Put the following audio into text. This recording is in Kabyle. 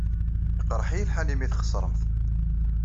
Iqeṛṛeḥ-iyi lḥal imi txeṣṛemt.